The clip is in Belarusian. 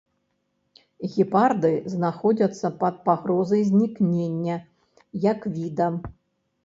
Гепарды знаходзяцца пад пагрозай знікнення як віда.